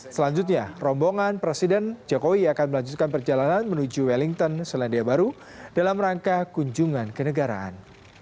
selanjutnya rombongan presiden jokowi akan melanjutkan perjalanan menuju wellington selandia baru dalam rangka kunjungan ke negaraan